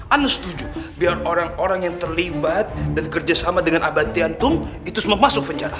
anda setuju biar orang orang yang terlibat dan kerjasama dengan abad tiantum itu semua masuk penjara